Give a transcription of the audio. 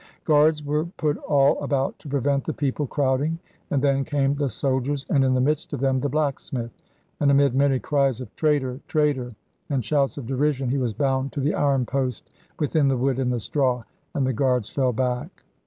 Guards were put all about to prevent the people crowding; and then came the soldiers, and in the midst of them the blacksmith; and amid many cries of 'Traitor, traitor!' and shouts of derision, he was bound to the iron post within the wood and the straw, and the guards fell back.